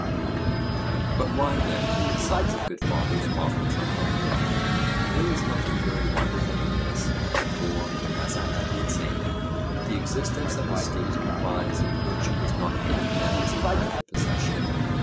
But why then do the sons of good fathers often turn out ill? There is nothing very wonderful in this; for, as I have been saying, the existence of a state implies that virtue is not any man's private possession.